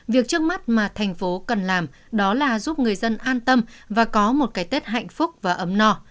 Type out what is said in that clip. việc trước mắt mà thành phố cần làm đó là giúp người dân an tâm và có một cái tết hạnh phúc và ấm no